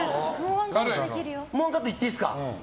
もうワンカットいっていいですか。